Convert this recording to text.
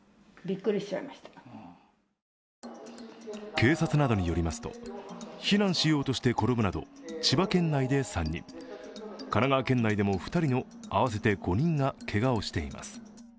警察などによりますと避難しようとして転ぶなど千葉県内で３人、神奈川県内でも２人の合わせて５人がけがをしています。